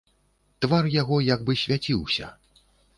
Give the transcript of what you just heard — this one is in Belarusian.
Твар яго як бы свяціўся.